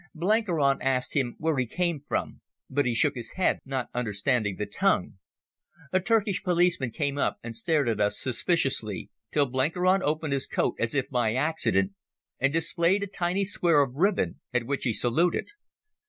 Blenkiron asked him where he came from, but he shook his head, not understanding the tongue. A Turkish policeman came up and stared at us suspiciously, till Blenkiron opened his coat, as if by accident, and displayed a tiny square of ribbon, at which he saluted.